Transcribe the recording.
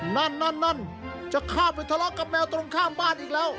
นั่นนั่นจะเข้าไปทะเลาะกับแมวตรงข้ามบ้านอีกแล้ว